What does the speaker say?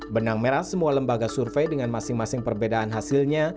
benang merah semua lembaga survei dengan masing masing perbedaan hasilnya